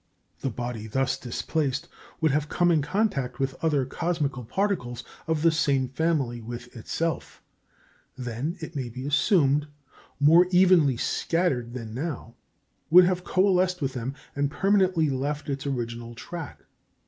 The body thus displaced would have come in contact with other cosmical particles of the same family with itself then, it may be assumed, more evenly scattered than now would have coalesced with them, and permanently left its original track.